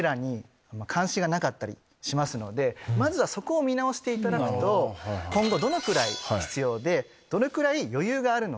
まずはそこを見直していただくと今後どのくらい必要でどのくらい余裕があるのか。